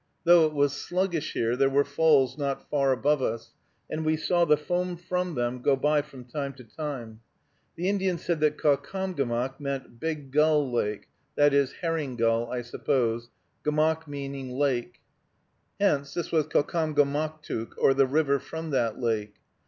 Though it was sluggish here, there were falls not far above us, and we saw the foam from them go by from time to time. The Indian said that Caucomgomoc meant Big Gull Lake (i. e., herring gull, I suppose), gomoc meaning lake. Hence this was Caucomgomoctook, or the river from that lake.